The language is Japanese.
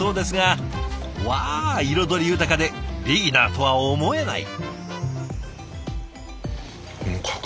うわ彩り豊かでビギナーとは思えない！